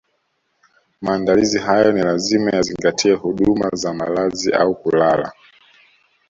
Maandalizi hayo ni lazima yazingatie huduma za malazi au kulala